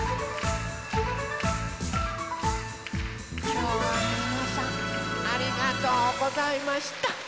きょうはみなさんありがとうございました。